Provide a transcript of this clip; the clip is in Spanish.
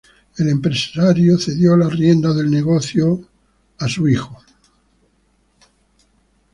El empresario cedió las riendas del negocio a manos de sus hijos.